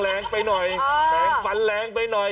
แรงไปหน่อยแรงฟันแรงไปหน่อย